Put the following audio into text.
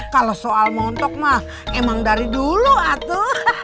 kalau soal montok emang dari dulu atu